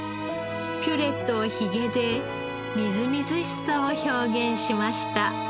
ピュレとヒゲでみずみずしさを表現しました。